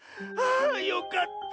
あよかった。